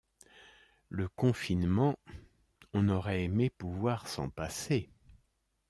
Le confinement, on aurait aimé pouvoir s’en passer.